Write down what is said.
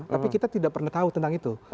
tapi kita tidak pernah tahu tentang itu